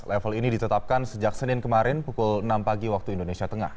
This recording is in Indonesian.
level ini ditetapkan sejak senin kemarin pukul enam pagi waktu indonesia tengah